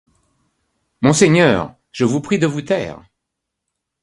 Monseigneur, je vous prie de vous taire.